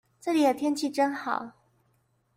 這裡的天氣真好